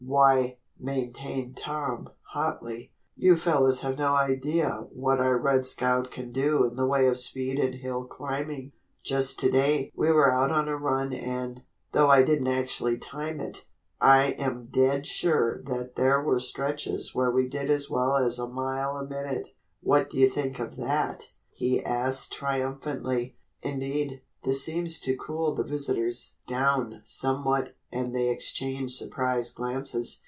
"Why," maintained Tom, hotly, "you fellows have no idea what our 'Red Scout' can do in the way of speed and hill climbing. Just to day we were out on a run and, though I didn't actually time it, I am dead sure there were stretches where we did as well as a mile a minute. What do you think of that?" he asked triumphantly. Indeed, this seemed to cool the visitors down somewhat and they exchanged surprised glances.